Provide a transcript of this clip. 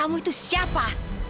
kamu itu siapa